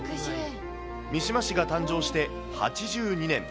三島市が誕生して８２年。